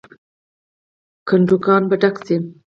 کندوګان به ډک شي.